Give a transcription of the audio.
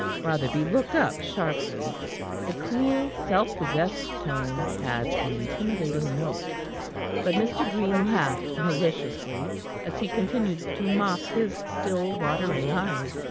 Rotherby looked up sharply. The cool, self possessed tone had an intimidating note. But Mr. Green laughed maliciously, as he continued to mop his still watering eyes.